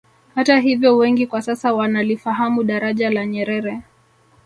Hata hivyo wengi kwa sasa wanalifahamu Daraja la Nyerere